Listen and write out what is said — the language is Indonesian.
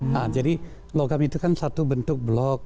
nah jadi logam itu kan satu bentuk blok